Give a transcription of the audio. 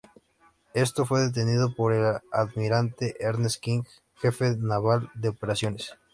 Esto, fue detenido por el almirante Ernest King, jefe naval de operaciones.